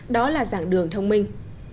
đó là dạng đường thông minh